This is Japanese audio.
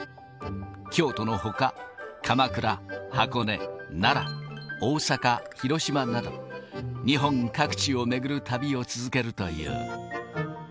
京都のほか、鎌倉、箱根、奈良、大阪、広島など、日本各地を巡る旅を続けるという。